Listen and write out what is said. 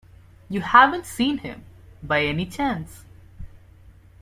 You haven't seen him, by any chance?